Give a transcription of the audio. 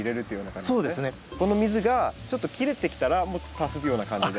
この水がちょっと切れてきたらもっと足すような感じで？